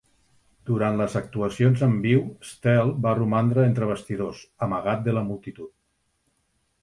Durant les actuacions en viu, Steele va romandre entre bastidors, amagat de la multitud.